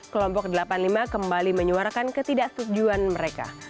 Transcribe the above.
kelompok delapan puluh lima kembali menyuarakan ketidaksetujuan mereka